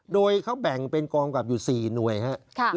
โดยเขาแบ่งเป็นกองกับอยู่๔หน่วยครับ